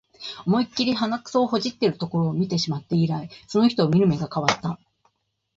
思いっきり鼻くそほじってるところ見てしまって以来、その人を見る目が変わった